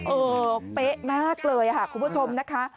เออเป๊ะมากเลยค่ะคุณผู้ชมนะคะ